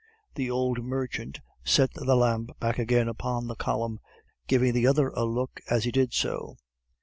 The old merchant set the lamp back again upon the column, giving the other a look as he did so.